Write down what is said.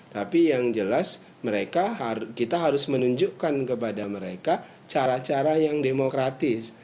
tapi yang jelas mereka kita harus menunjukkan kepada mereka cara cara yang demokratis